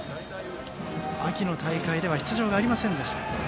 秋の大会では出場がありませんでした。